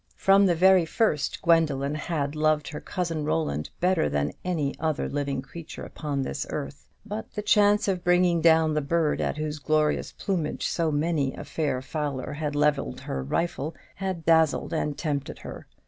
From the very first Gwendoline had loved her cousin Roland better than any other living creature upon this earth: but the chance of bringing down the bird at whose glorious plumage so many a fair fowler had levelled her rifle had dazzled and tempted her.